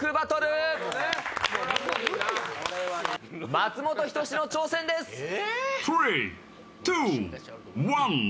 松本人志の挑戦です。え！